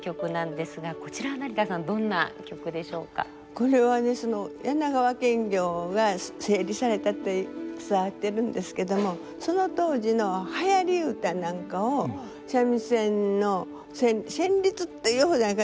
これは柳川検校が整理されたって伝わってるんですけどもその当時のはやり歌なんかを三味線の旋律っていうほどじゃないか。